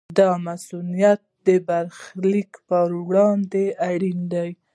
دا مصونیت د برخلیک پر وړاندې اړین دی.